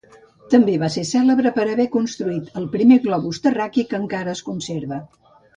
També va ser cèlebre per haver construït el primer globus terraqüi, que encara es conserva.